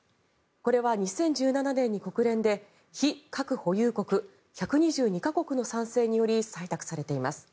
これは２０１７年に国連で非核保有国１２２か国の賛成により採択されています。